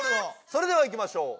それではいきましょう！